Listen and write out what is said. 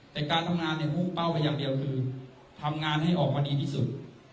แต่การทำงานเนี่ยพุ่งเป้าไปอย่างเดียวคือทำงานให้ออกมาดีที่สุด